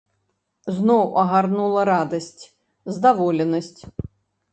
Зноў агарнула радасць, здаволенасць.